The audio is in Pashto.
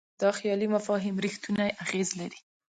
دا خیالي مفاهیم رښتونی اغېز لري.